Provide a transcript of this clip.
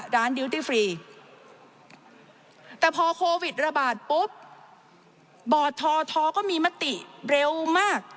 ดิวตี้ฟรีแต่พอโควิดระบาดปุ๊บบอร์ดทอทอก็มีมติเร็วมาก